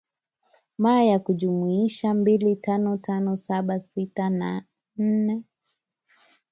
ma ya kujumulisha mbili tano tano saba sita nne